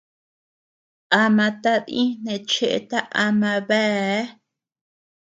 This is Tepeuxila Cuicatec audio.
Ama tadii neʼe cheeta ama beâ.